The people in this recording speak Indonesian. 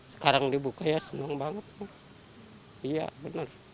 sekarang dibuka ya senang banget iya benar